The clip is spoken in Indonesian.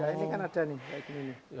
ini kan ada nih kayak gini